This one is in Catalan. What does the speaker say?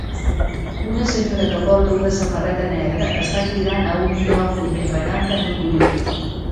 Una senyora que porta una samarreta negra està cridant a un micròfon mentre canta en un grup.